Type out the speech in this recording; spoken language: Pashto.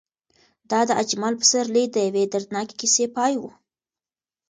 دا د اجمل پسرلي د یوې دردناکې کیسې پای و.